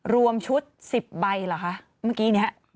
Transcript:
รวมชุด๑๐ใบเหรอคะเมื่อกี้นี้